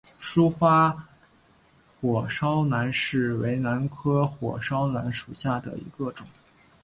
疏花火烧兰为兰科火烧兰属下的一个种。